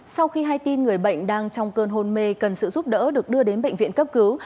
sau khi hai tin người bệnh đang trong cơn hôn mê cần sự giúp đỡ được đưa đến bệnh viện cấp cứu